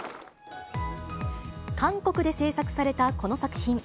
韓国で製作されたこの作品。